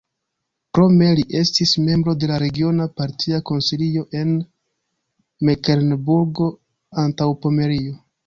Krome li estis membro de la regiona partia konsilio en Meklenburgo-Antaŭpomerio.